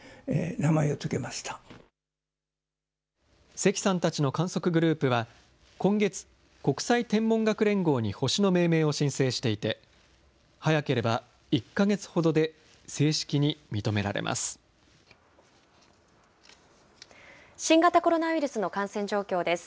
関さんたちの観測グループは、今月、国際天文学連合に星の命名を申請していて、早ければ１か月ほどで新型コロナウイルスの感染状況です。